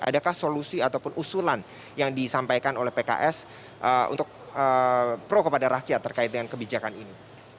adakah solusi ataupun usulan yang disampaikan oleh pks untuk pro kepada rakyat terkait dengan kebijakan ini